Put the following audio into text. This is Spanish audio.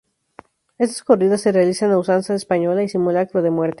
Estas corridas se realizan a la usanza española y simulacro de muerte.